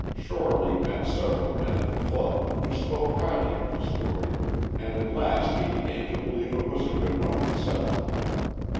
Shorely met several men at the Club, who spoke highly of the story, and at last he began to believe it was a good one himself.